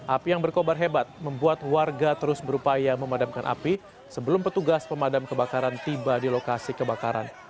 api yang berkobar hebat membuat warga terus berupaya memadamkan api sebelum petugas pemadam kebakaran tiba di lokasi kebakaran